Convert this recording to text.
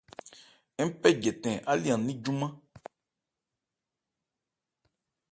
Ń pɛ jɛtɛn áli an ní júmán.